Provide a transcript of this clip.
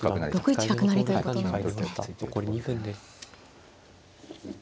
６一角成ということなんですね。